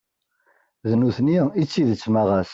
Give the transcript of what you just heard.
D nutni i d tidett ma ɣas.